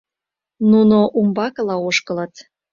Нуно умбакыла ошкылыт.